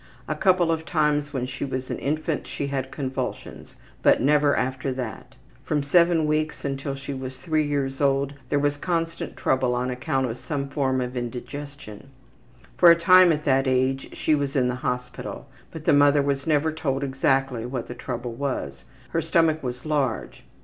A couple of times when she was an infant she had convulsions, but never after that. From 7 weeks until she was 3 years old there was constant trouble on account of some form of indigestion. For a time at that age she was in the hospital, but the mother was never told exactly what the trouble was. Her stomach was large.